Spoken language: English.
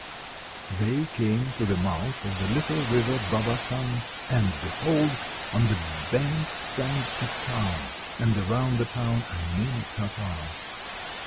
They came to the mouth of the little river Babasan, and behold! on the bank stands a town, and around the town are many Tartars.